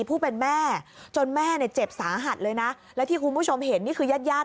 ผู้เป็นแม่จนแม่เนี่ยเจ็บสาหัสเลยนะแล้วที่คุณผู้ชมเห็นนี่คือญาติญาติ